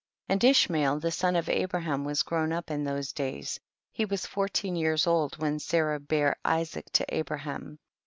11. And Ishmael the son of Abra ham was grown up in those days ; he was fourteen years old when Sa rah bare Isaac to Abraham.